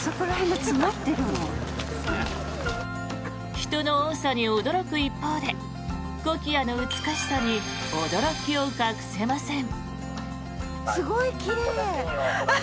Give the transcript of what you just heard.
人の多さに驚く一方でコキアの美しさに驚きを隠せません。